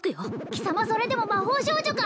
貴様それでも魔法少女か